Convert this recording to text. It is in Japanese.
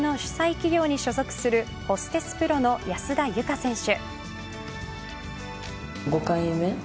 企業に所属するホステスプロの安田祐香選手。